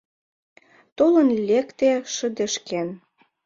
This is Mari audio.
Толын лекте шыдешкен.